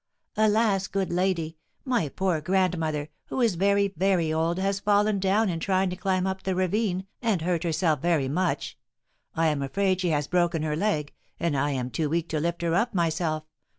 "Alas, good lady! my poor grandmother, who is very, very old, has fallen down in trying to climb up the ravine, and hurt herself very much. I am afraid she has broken her leg, and I am too weak to lift her up myself.